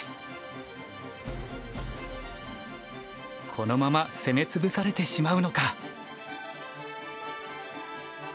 このまま攻め潰されてしまうのか。